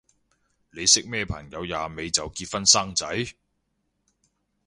你識咩朋友廿尾就結婚生仔？